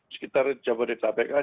sekitar jabodetabek saja